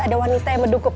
ada wanita yang mendukung